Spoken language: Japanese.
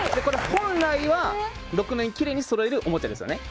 本来は６面きれいにそろえるおもちゃですよね。